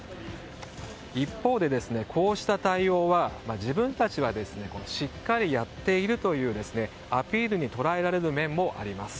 一方で、こうした対応は自分たちはしっかりやっているというアピールに捉えられる面もあります。